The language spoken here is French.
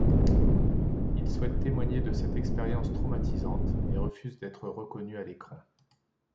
Il souhaite témoigner de cette expérience traumatisante, mais refuse d'être reconnu à l'écran.